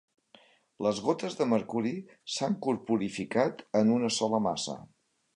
Les gotes de mercuri s'han corporificat en una sola massa.